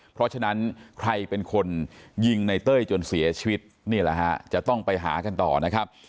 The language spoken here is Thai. เพราะฉะนั้นใครเป็นคนยิงในเต้ยจนเสียชีวิตนี่แหละฮะจะต้องไปหากันต่อนะครับ